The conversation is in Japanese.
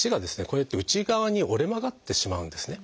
こうやって内側に折れ曲がってしまうんですね。